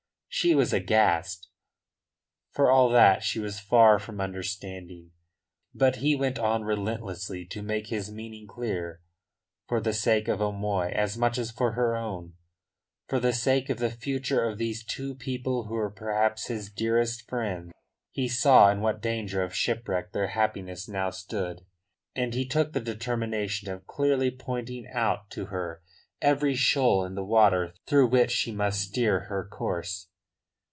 She was aghast, for all that she was far from understanding. But he went on relentlessly to make his meaning clear, for the sake of O'Moy as much as for her own for the sake of the future of these two people who were perhaps his dearest friends. He saw in what danger of shipwreck their happiness now stood, and he took the determination of clearly pointing out to her every shoal in the water through which she must steer her course.